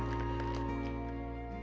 ya allah berikanlah kesembuhan pada mama